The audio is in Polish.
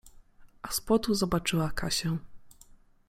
A z płotu zobaczyła Kasię.